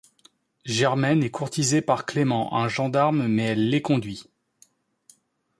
Germaine est courtisée par Clément un gendarme mais elle l'éconduit.